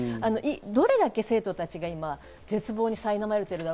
どれだけ生徒たちが今絶望にさいなまれているのか。